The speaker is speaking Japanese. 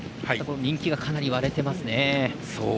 人気が、かなり割れてますね。